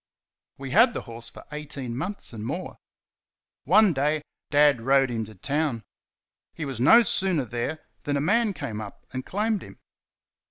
We had the horse for eighteen months and more. One day Dad rode him to town. He was no sooner there than a man came up and claimed him.